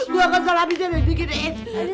gue kesel abisnya begini gini